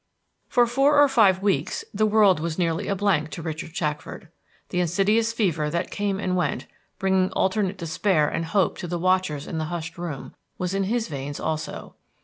For four or five weeks the world was nearly a blank to Richard Shackford. The insidious fever that came and went, bringing alternate despair and hope to the watchers in the hushed room, was in his veins also.